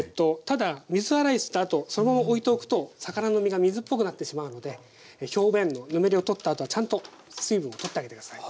ただ水洗いしたあとそのまま置いておくと魚の身が水っぽくなってしまうので表面のぬめりを取ったあとはちゃんと水分を取ってあげて下さい。